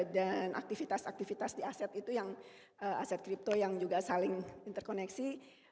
dan aktivitas aktivitas di aset itu yang aset kripto yang juga saling interkoneksi